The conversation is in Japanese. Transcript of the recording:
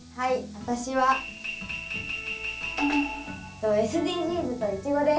私はＳＤＧｓとイチゴです。